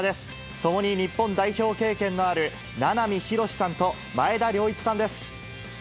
共に日本代表経験のある名波浩さんと前田遼一さんです。